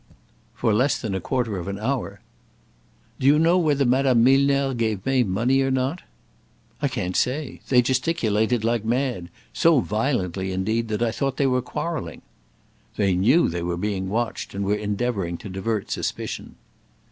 "For less than a quarter of an hour." "Do you know whether Madame Milner gave May money or not?" "I can't say. They gesticulated like mad so violently, indeed, that I thought they were quarreling." "They knew they were being watched, and were endeavoring to divert suspicion."